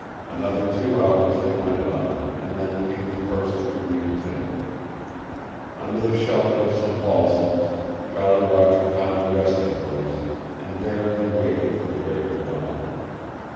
Another two hours they went on and then came the first of the green timber. Under the shelter of some balsams Jolly Roger found a resting place and there they waited for the break of dawn.